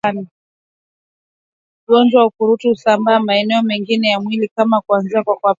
Ugonjwa wa ukurutu husambaa maeneo mengine ya mwili baada ya kuanzia kwapani